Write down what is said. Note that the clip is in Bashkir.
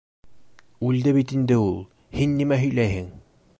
Үлде бит инде ул! һин нимә һөйләйһең?!